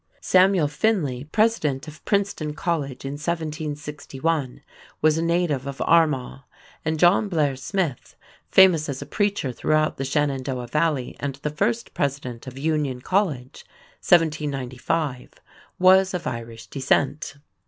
Samuel Finley, President of Princeton College in 1761, was a native of Armagh, and John Blair Smith, famous as a preacher throughout the Shenandoah Valley and the first president of Union College (1795), was of Irish descent.